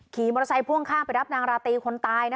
ขี่มอเตอร์ไซค์พ่วงข้างไปรับนางราตรีคนตาย